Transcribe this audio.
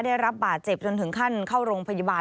ได้รับบาดเจ็บจนถึงขั้นเข้าโรงพยาบาล